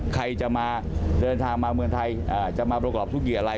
ใครจะมาเดินทางมาเมืองไทยจะมาประกอบธุรกิจอะไร